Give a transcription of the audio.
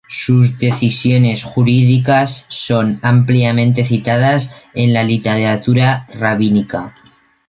Sus decisiones jurídicas son ampliamente citadas en la literatura rabínica.